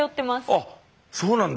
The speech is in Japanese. あそうなんだ。